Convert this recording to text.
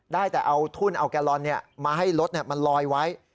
ได้แต่เอาทุ่นเอาแกลลอนมาให้รถมันลอยไว้